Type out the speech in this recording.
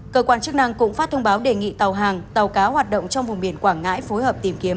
cơ quan chức năng cũng phát thông báo đề nghị tàu hàng tàu cá hoạt động trong vùng biển quảng ngãi phối hợp tìm kiếm